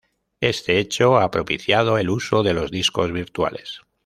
Este hecho ha propiciado el uso de los discos virtuales.